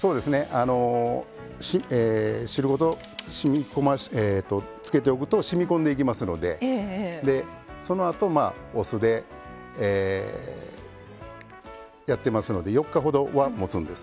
あの汁ごとつけておくとしみ込んでいきますのでそのあとお酢でやってますので４日ほどはもつんです。